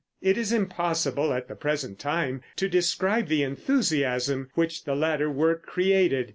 It is impossible at the present time to describe the enthusiasm which the latter work created.